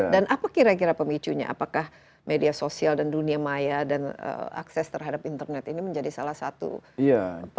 dan apa kira kira pemicunya apakah media sosial dan dunia maya dan akses terhadap internet ini menjadi salah satu peluang untuk